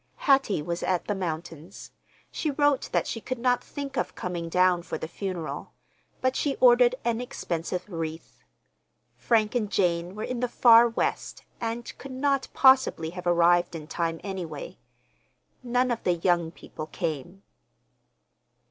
Hattie was at the mountains. She wrote that she could not think of coming down for the funeral, but she ordered an expensive wreath. Frank and Jane were in the Far West, and could not possibly have arrived in time, anyway. None of the young people came.